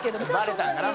バレたんかな？